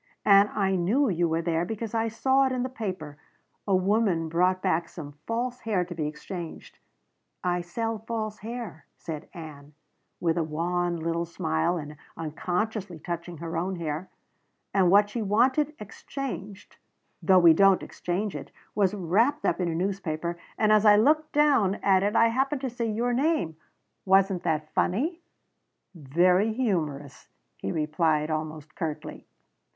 "And I knew you were there because I saw it in the paper. A woman brought back some false hair to be exchanged I sell false hair," said Ann, with a wan little smile and unconsciously touching her own hair "and what she wanted exchanged though we don't exchange it was wrapped up in a newspaper, and as I looked down at it I happened to see your name. Wasn't that funny?" "Very humorous," he replied, almost curtly.